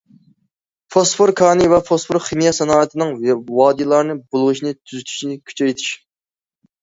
فوسفور كانى ۋە فوسفور خىمىيە سانائىتىنىڭ ۋادىلارنى بۇلغىشىنى تۈزەشنى كۈچەيتىش.